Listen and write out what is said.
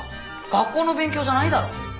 学校の勉強じゃないだろ。